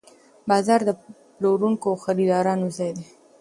بازار د پلورونکو او خریدارانو ځای دی.